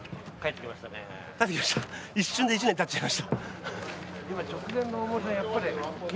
一瞬で一年たっちゃいました。